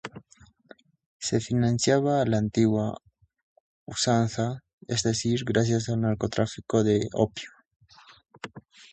Se financiaba a la antigua usanza, es decir, gracias al narcotráfico de opio.